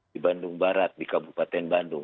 di bandung barat di kabupaten bandung